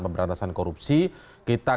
pemberantasan korupsi kita